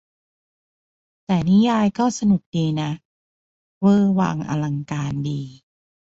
แต่นิยายก็สนุกดีนะ เวอร์วังอลังการดี